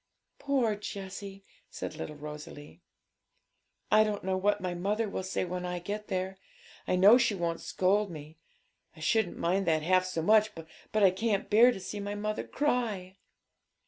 'Poor Jessie!' said little Rosalie. 'I don't know what my mother will say when I get there. I know she won't scold mo; I shouldn't mind that half so much, but I can't bear to see my mother cry.'